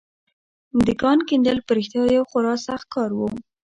د کان کیندل په رښتيا يو خورا سخت کار و.